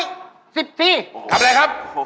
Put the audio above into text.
ทำอะไรครับวิทย์พื้นได้ครับโอ้โฮ